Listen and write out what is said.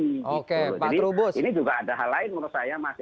jadi ini juga ada hal lain menurut saya mas